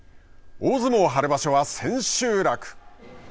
大相撲春場所は千秋楽。